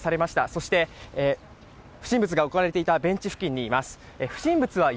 そして不審物が置かれていたベンチ付近にいます。